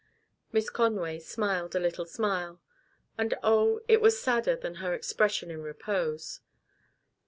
Miss Conway smiled a little smile. And oh, it was sadder than her expression in repose.